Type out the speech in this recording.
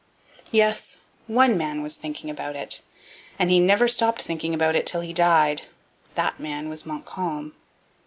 Yes, one man was thinking about it, and he never stopped thinking about it till he died. That man was Montcalm.